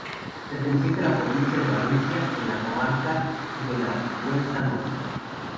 Perteneciente a la provincia de Valencia, en la comarca de la Huerta Norte.